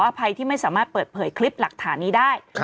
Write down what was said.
อภัยที่ไม่สามารถเปิดเผยคลิปหลักฐานนี้ได้